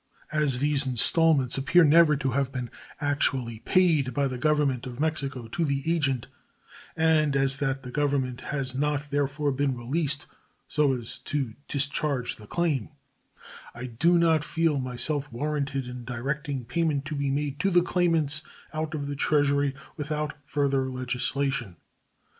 As these installments appear never to have been actually paid by the Government of Mexico to the agent, and as that Government has not, therefore, been released so as to discharge the claim, I do not feel myself warranted in directing payment to be made to the claimants out of the Treasury without further legislation.